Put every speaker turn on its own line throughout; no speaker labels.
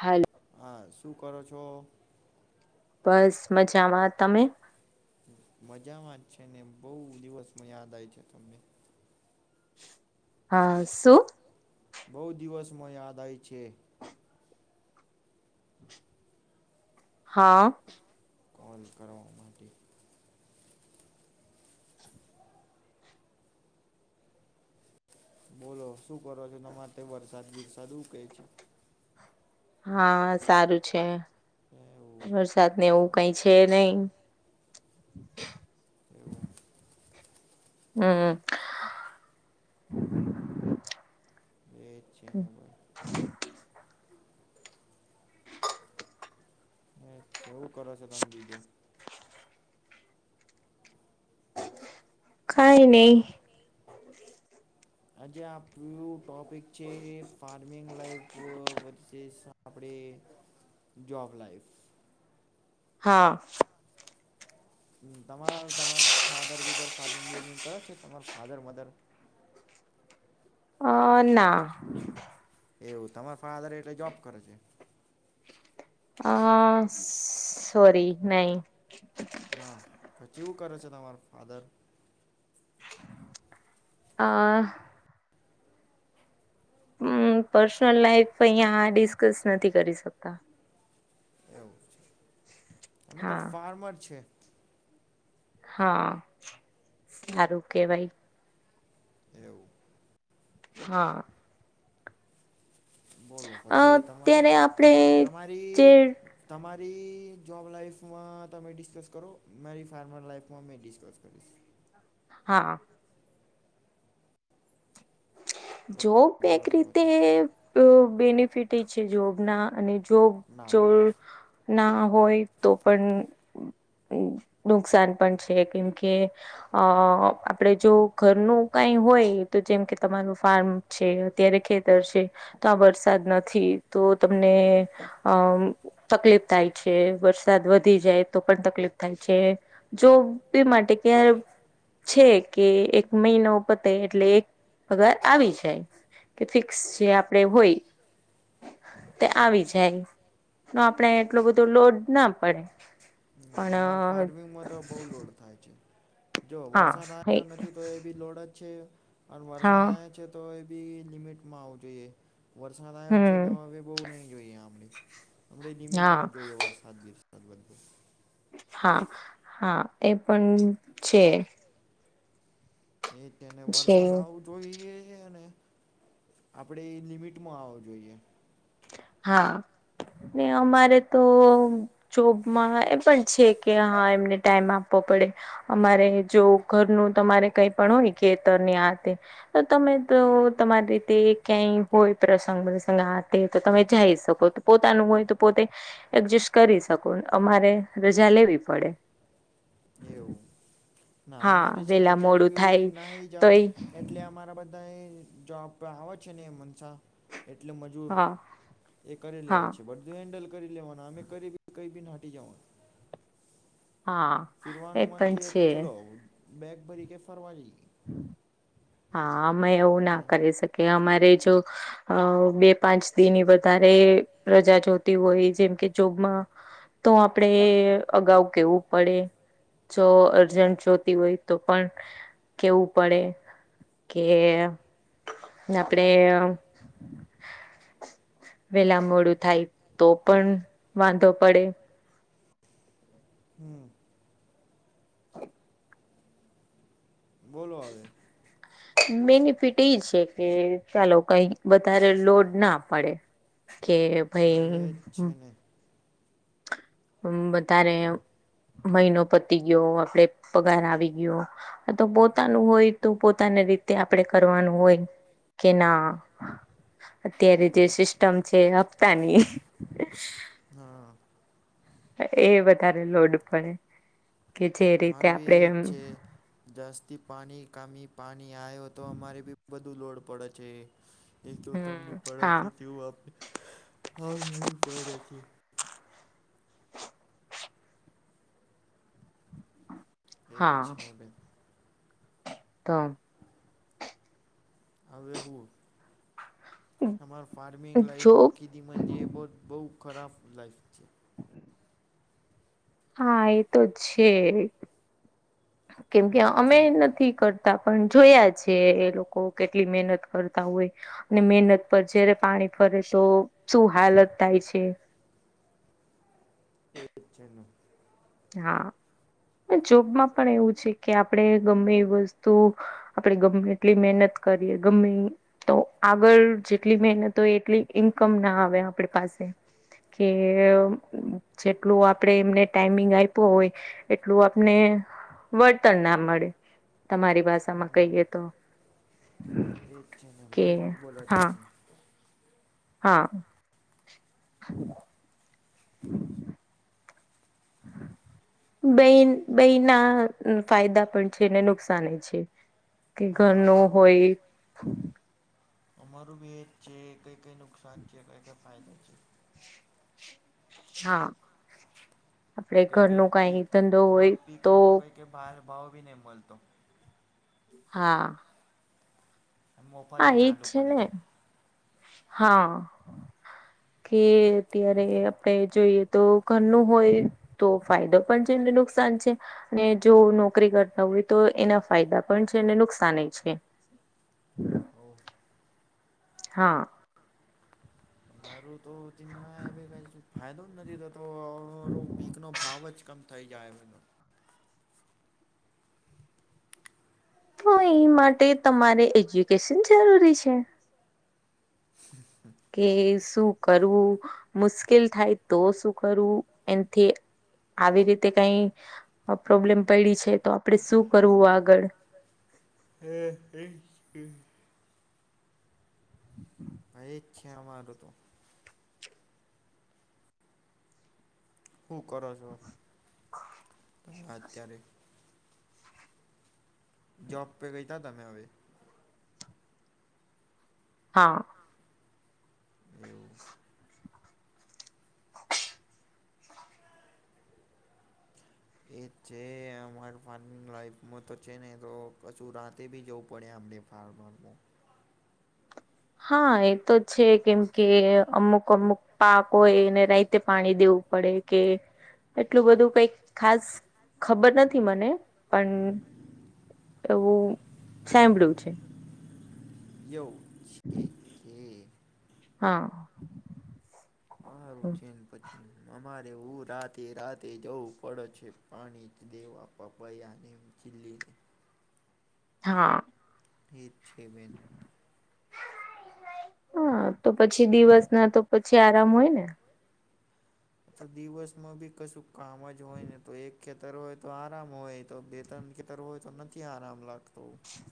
Hello
હા, શું કરો છો?
બસ મજામાં તમે?
મજામાં જ છે ને બહુ દિવસમાં યાદ આઇ છે તમને.
હા શુ?
બહુ દિવસમાં યાદ આઇ છે.
હા.
કોલ કરવા માટે. બોલો શું કરો છો, તમાર તઇ વરસાદ બીરસાદ હું કહે છે?
હા સારું છે,
એવું
વરસાદ ને એવું. કઈ છે નહી.
એવું
હમ હમ.
એ જ છે ને બસ.
[inaudible]
કેવું કરો છો તમ બીજું?
કઈ નહી.
આજે આપણું ટોપિક છે ફાર્મિંગ લાઈફ વશે સ આપણી જોબ લાઈફ.
હા સ
હમ તમાર તમાર ફાધર બિધર ફાર્મિંગ બિર્મિંગ કરે છે તમાર ફાધર મધર.
અ ના.
એવું તમારા ફાધર એટલે જોબ કરે છે.
અ સોરી નહી.
હા તો ચેવું કરે છે તમાર ફાધર?
આ પર્સનલ લાઈફ અહીંયા આ ડિસ્કસ નથી કરી શકતા.
એવું છે, અમે તો
હા
ફાર્મર છે.
હા, સારું કેવાય.
એવું.
હા.
બોલો, પછી તમારું
અત્યારે આપણે જે
તમારી તમારી જોબ લાાઈફમાં તમે ડિસ્કસ કરો, મારી ફાર્મર લાઈફમાં મેં ડિસ્કસ કરીશ.
હા. જોબ
બોલો
એક
તો
રીતે
પછી
બેનિફિટ છે, જોબના અને જો
ના
જોર ના હોય, તો પણ. નુકસાન પણ છે, કેમ કે અ આપડે જો ઘરનું કઈ હોય, તો જેમ કે તમારું ફાર્મ છે, અત્યારે ખેતર છે, તો આ વરસાદ નથી, તો તમને આમ તકલીફ થાય છે, વરસાદ વધી જાય તો, પણ તકલીફ થાય છે. જો એ માટે કે છે કે, એક મહિનો પતે, એટલે એક પગાર આવી જાય કે, ફિક્સ જે આપડે હોય. તે આવી જાય, તો આપણે એટલો બધું લોડ ના પડે.
ના અમાર
પણ
ફાર્મિંગમાં તો બહુ લોડ થાય છે, જો
હા
વરસાદ આવ્યા નથી, તો એ બી લોડ જ છે, અને વરસાદ
હા
આવે છે, તો એ બી લિમિટમાં આવવું જોઈએ. વરસાદ આવ્યો છે,
હમ
તો હવે બઉુ નહીિ જોઈએ, આડે હડે
હા
લિમિટમાં જ જોઈએ વરસાદ. સા [unintelligible] અદબો [unintelligible]
હા, હા, એ પણ છે.
એ તેને
જે
વરસાદ આવઉટ [unintelligible] તો એ છે ને, આપણેે એ લિમિટમાં આવો જોઈએ.
હા ને, અમારે તો. જોબમાં એ પણ છે કે. હા, એમને ટાઈમ આપવો પડે. અમારે જો ઘરનું તમારે કઈ પણ હોય, ખેતરની આ તે તો તમે તો તમારી રીતે ક્યાંય હોય, પ્રસંગ-પ્રસંગ તો તમે જઈ શકો, પોતાનું હોય તો પોતે. એડજસ્ટ કરી શકો, અમારે રજા લેવી પડે.
એવું ના
હા
અમારે છે, તો
વેલા
કેરી
મોડું
બી
થાય
ઉઠીને નાઈ જાઓ,
તોય
એટલે અમારા બધા ક જબ આવ છે નને એમનસા [unintelligible] એટલે મજૂર
હા
એ કરેલી
હા
હોય છે, બધું. હેન્ડલ કરી લેવાના, અમે કરી કઈ નાટી જવાનું.
હા, એ પણ છે.
તો બેગ ભરી કે, ફરવા જઈએ.
હા, અમે એવું ના કરી શકીએ, અમારે જો બે પાંચ દિની વધારે પ્રજા જો. હોય, જેમકે જોબમાં તો આપડે અગાઉ કેવું પડે. જો અર્જન્ટ જોતી હોય, તો પણ. કેવું પડે કે, આપડે વેલા મોડું થાય, તો પણ વાંધો પડે.
હમ. બોલો, આવે.
બેનિફિટ એ છે કે [unintelligible] કઈ વધારે લોડ ના પડે કે ભાઈ
એ છે ને
વધારે મહિનો પતી ગયો આપડે પગાર આવી ગયો આ તો પોતાનું હોય તો પોતાને રીતે આપડે કરવાનું હોય. કે ના અત્યારે જે
એ જ
સિસ્ટમ છે હપ્તાની
હા
એ વધારે લોડ પડે કે જે રીતે
અમારું બી
આપણેે
એ
એમ
છે જસ્થી પાણી કામી પાણી આવ્યો તો અમારે બી બધું લોડ પડે છે એ એક તો તમને
હમ
પડે
હા
છે તેવું આપણે ફાવ એવી પડે છે.
[unintelligible]
એ જ
હા
છે [unintelligible]
[inaudible]
હવે હું તમાર ફાર્મિંગ
જો
[unintelligible] બહુ ખરાબ લાઈફ છે.
હા એ તો છે કેમ
એ
કે અમે
જ
નથી કરત તા પણ જોયા છે એ લોકો કેટલી મહેનત કરતા હોય અને મહેનત પર જ્યારે પાણી ફરે તો શું હાલત થાય છે
એ છેનું
હા જોબમાં પણ એવું છે કે આપણેે ગમે એ વસ્તુ આપડે ગમે એટલી મહેનત કરીએ ગમે તો આગળ જેટલી મહેનત હોય એટલી ઇન્કમ ના આવે આપણી પાસે કે જેટલું આપણેે એમને ટાઈમે આયપો હોય એટલું આપને વળતર ના મળે. તમારી ભાષામાં કહીએ તો
એ છે ને
કે
બરોબર બોલા છે
હા
તમે
હા [unintelligible] [inaudible]
[inaudible]
બે બે ના ફાયદા પણ છે ને નુકસાન છે કે
હા
ઘરનું
અમારું
હોય
અમારું ભી એજ છે કઈ કઈ નુકસાન છે કઈ કઈ ફાયદો છે.
હા આપડે
કઈ
ઘર નો કઈ ધંધો હોય તો
કે બાર ભાવ બી નઈ મલતો
હા
મોફાત
હા
મે
એજ
આલુ પડે
ને
છે.
હા કે અત્યારે આપણે જોઈએ તો ઘરનું હોય તો ફાયદો પણ છે એમને નુકસાન છે. અને જો નોકરી કરતા હોય તો એના ફાયદા પણ છે અને નુકસાન એ છે.
ઓ
હા
મારુ તો [unintelligible] એ ક ફાયદો જ નથી થતો [unintelligible] પીક નો ભાવ જ કમ ઉ થઈ જ જાાયવા [unintelligible]
તો એ માટે તમારે એજ્યુકેશન જરૂરી છે.
હ, હ.
કે શું કરવું? મુશ્કેલ થાય તો, શું કરવું? એથી. આવી રીતે કઈ પ્રોબ્લેમ પડી છે, તો આપડે શું કરવું આગળ?
હ, એ
હમ.
હ, એ જ છે, અમારું તો. હું કરો છો? અને અત્યારે જોબ પે ગયાતા, તમે હવે.
હા.
એવું. એ છે, અમાર ફાર્મિંગ લાઈફમાં તો છે ને, તો કશું રાતે બી જવું પડે અમણે. પાર મારબો.
હા, એ તો છે, કેમ કે અમુક-અમુક પાક હોય, એને રઈતે પાણી દેવું પડે કે, એટલું બધું કઈક ખાસ ખબર નથી, મને પણ એવું સાંભળ્યું છે.
છે છે [unintelligible]
હા.
અમારું છેને, પછી અમારે હું રાતે રાતે જવું પડે છે. પાણી દવા પાપા યાને ચીિલ્ [unintelligible]
હા.
છ બેન.
હા, તો પછી દિવસ ના તો પછી આરામ હોય ને.
તો દિવસમાં બી કશું કામ જ હોય ને, તો એક ખેતર હોય તો, આરામ હોય તો, બે-તેર ખેતર હોય તો નથી, આરામ લાગતો.
હ.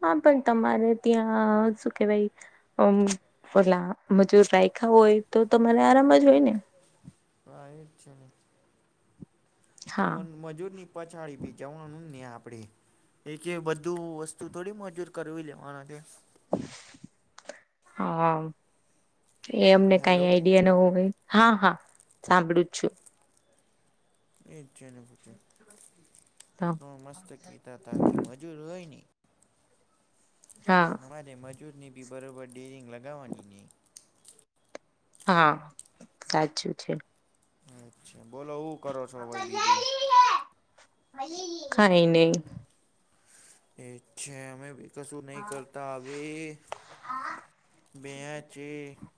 હા, પણ તમારે ત્યાં શું કેવાય? મ પલા મજૂર રાયખા હોય તો, તમારે આરામ જ હોય ને.
હા, એજ છે. તો
હા
મજૂરની પછાડી બી જવાનું ને, આપણેે. એક બધું વસ્તુ થોડી મજૂર કરવી લેવાના છે.
હા, એ અમને કઈ
હેલો
આઈડિયા નહિ હવે. હા, હા, સાંભળું છું.
એચ્છા ન પૂછે [unintelligible]
ત [unintelligible]
તો મસ્ત કહેતા હતા કે, મજૂર હોય ને‌.
હા
પણ અરે મજૂરની બી બરોબર, ડેરિંગ લગાવવાની નહીં.
હા, સાચું છે.
અચ્છા, બોલો. કરો છો ભાઈ બીજું?
કઈ નહી.
એ છે, અમે ભી કશું નહી કરે. તાવે બેચ [unintelligible]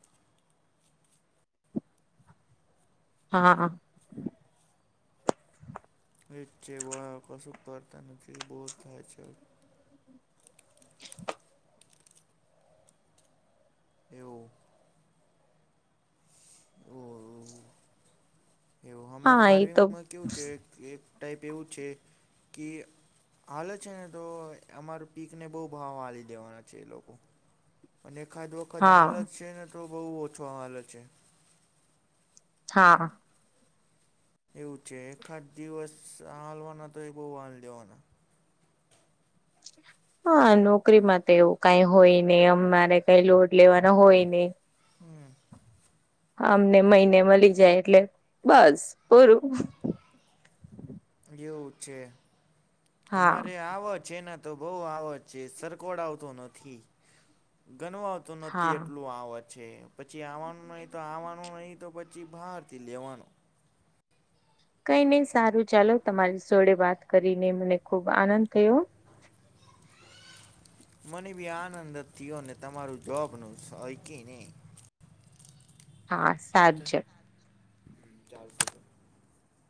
હા, હા.
[unintelligible] બો થાય છે.
[inaudible]
એવું. ઓ એવું હમાર
હા એ તો
ફાર્મિંગમાં કેવું છે, એક ટાઈપ એવું છે, કે હાલે છે, ને તો અમાર પીકને બો ભાવ હાલી દેવાના છે, એ લોકો અને એખાદ વખત
હા
હાલત છે, ને તો બો ઓછો હાલે છે.
હા.
એવું છે, એખાદ દિવસ હાલવાના તો એ બો હાલ દેવાના
હા નોકરીમાં તો એવું કાઈ હોય ને અમારે કઈ લોડ લેવાના હોય ની
હમ.
અમને મહિને મલી જાય એટલે બસ પૂરું
એવું છે,
હા
અમારે આવ છે, ન તો બો આવજ છે. સરખો આવતો નથી ગણ તો નથી
હા
એટલું આવ છે, પછી આવવાનું નહી તો આવવાનું નહી તો પછી બહારથી લેવાનું
કઈ નહી સારું ચાલો તમારી જોડે વાત કરીને મને ખુબ આનંદ થયો
મને બી આનંદ જ થયો ને તમારું જોબનું [unintelligible]
હાસ
[unintelligible] ચાલશે